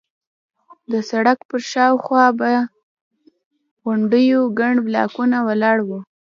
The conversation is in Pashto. د سړک پر شاوخوا پر غونډیو ګڼ بلاکونه ولاړ وو.